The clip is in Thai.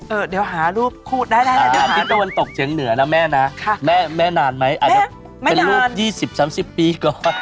เออเดี๋ยวหารูปคู่ดได้ไหมทิศตะวันตกเฉียงเหนือนะแม่นะแม่นานไหมอาจจะเป็นรูป๒๐๓๐ปีก่อน